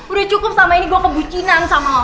udah cukup sama ini gue kebucinan sama allah